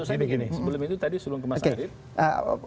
sebelum itu tadi suruh ke mas arief